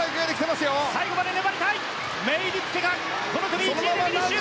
メイルティテがこの組１位でフィニッシュ。